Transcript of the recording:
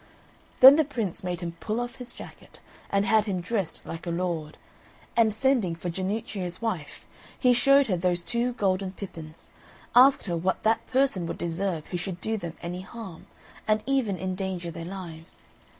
Then the Prince made him pull off his jacket, and had him dressed like a lord; and sending for Jannuccio's wife, he showed her those two golden pippins, asked her what that person would deserve who should do them any harm, and even endanger their lives.